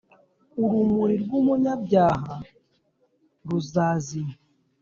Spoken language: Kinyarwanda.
urumuri rwumunyabyaha ruzazima